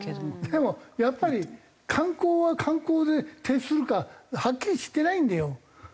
でもやっぱり観光は観光で徹するかはっきりしてないんだよ。